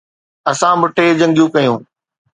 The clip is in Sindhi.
اسان ٻه ٽي جنگيون ڪيون.